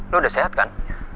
lo udah sehat kan